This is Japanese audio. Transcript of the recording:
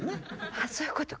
あそういうことか。